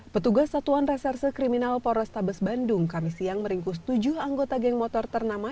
petugas satuan reserse kriminal polrestabes bandung kami siang meringkus tujuh anggota geng motor ternama